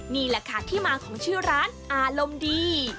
นี่แหละค่ะที่มาของชื่อร้านอารมณ์ดี